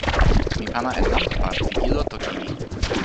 mi pana e nanpa pi ilo toki mi.